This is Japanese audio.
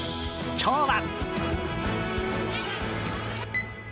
今日は。